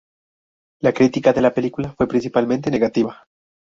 La crítica de la película fue principalmente negativa.